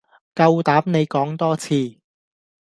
夠膽你講多次